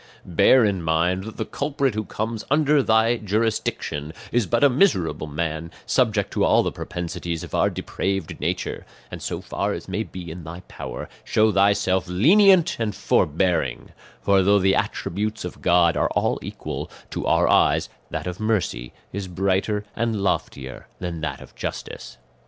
"Bear in mind that the culprit who comes under thy jurisdiction is but a miserable man subject to all the propensities of our depraved nature, and so far as may be in thy power show thyself lenient and forbearing; for though the attributes of God are all equal, to our eyes that of mercy is brighter and loftier than that of justice.